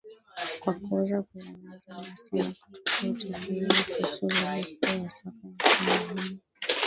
kwa kuweza kuzungumza nasi na kutupa utathimini kuhusu ligi kuu ya soka nchini humo